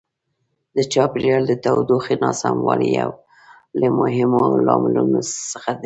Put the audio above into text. د چاپیریال د تودوخې ناسموالی یو له مهمو لاملونو څخه دی.